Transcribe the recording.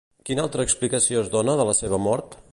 Quina altra explicació es dona de la seva mort?